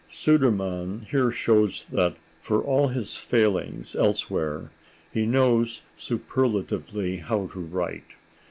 Sudermann here shows that, for all his failings elsewhere, he knows superlatively how to write.